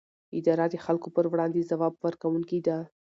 اداره د خلکو پر وړاندې ځواب ورکوونکې ده.